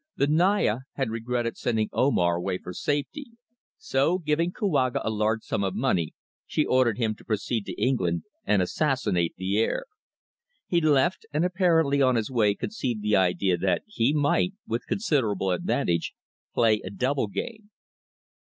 The Naya had regretted sending Omar away for safety, so giving Kouaga a large sum of money, she ordered him to proceed to England and assassinate the heir. He left, and apparently on his way conceived the idea that he might, with considerable advantage, play a double game.